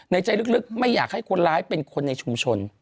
ใจลึกไม่อยากให้คนร้ายเป็นคนในชุมชน